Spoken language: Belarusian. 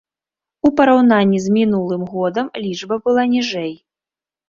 У параўнанні з мінулым годам лічба была ніжэй.